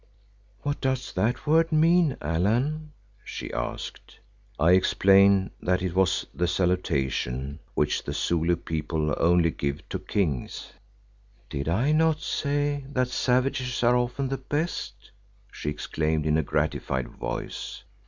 "What does that word mean, Allan?" she asked. I explained that it was the salutation which the Zulu people only give to kings. "Did I not say that savages are often the best?" she exclaimed in a gratified voice.